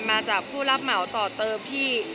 มาจากผู้รับเหมาต่อเติมพี่